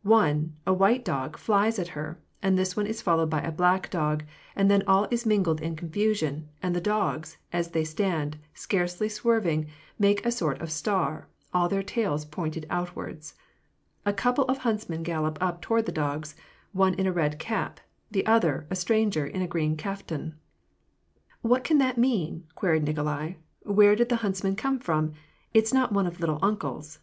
one, a white dog, flies at her ; and this one is followed by a black dog ; and then all is mingled in confusion, and the dogs, as they stand, scarcely swerving, make a sort of star, all their tails pointing outwards. A couple of huntsmen gallop up toward the dogs . one in a red cap ; the other, a stranger, in a green kaftan. "What can that mean?'' queried Nikolai. "Where did that huntsman come from ? It's not one of 'little uncle's.'